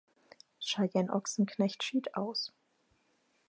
Cheyenne Ochsenknecht schied aus.